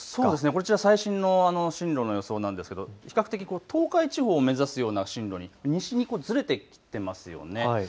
こちら最新の進路の予想ですが、比較的東海地方を目指すような進路に、西にずれてきていますよね。